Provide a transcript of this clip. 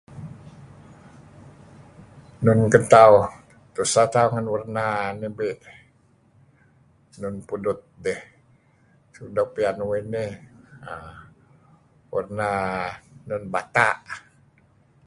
Nun ken tauh tuseh tauh ngen warna nabe' nun pudut dih suk doo' piyan uih nih uhm warna nun bata'.